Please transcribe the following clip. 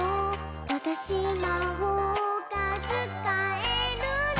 「わたしまほうがつかえるの！」